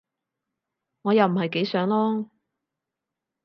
我又唔係幾想囉